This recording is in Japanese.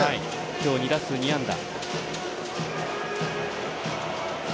今日２打数２安打。